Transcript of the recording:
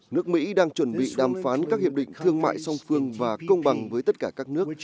nước mỹ đang chuẩn bị đàm phán các hiệp định thương mại song phương và công bằng với tất cả các nước